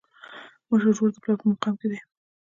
مشر ورور د پلار په مقام کي دی.